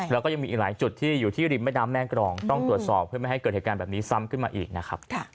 แล้วก็ยังมีหลายจุดที่อยู่ที่ริมไม่น้ำแม่กรองต้องตรศอกเพื่อไม่ให้เกิดศักดิ์การแบบนี้ซ้ำขึ้นมาด้วยอีก